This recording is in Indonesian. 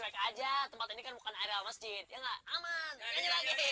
ala cuy aja tempat ini kan bukan area masjid ya enggak aman nyanyi lagi